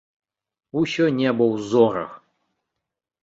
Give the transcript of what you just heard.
Усё неба ў зорах!